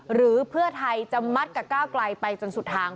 หรือเพื่อไทยจะมัดกับก้าวไกลไปจนสุดทาง